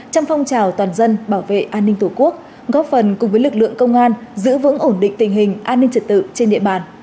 trong phong trào toàn dân bảo vệ an ninh tổ quốc góp phần cùng với lực lượng công an giữ vững ổn định tình hình an ninh trật tự trên địa bàn